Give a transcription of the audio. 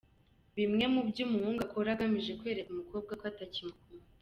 Bimwe mu byo umuhungu akora agamije kwereka umukobwa ko atakimukunda